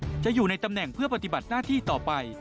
จะอยู่ในตำแหน่งเพื่อปฏิบัติหน้าที่ต่อไป